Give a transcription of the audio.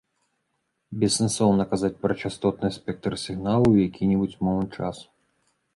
Бессэнсоўна казаць пра частотны спектр сігналу ў які-небудзь момант часу.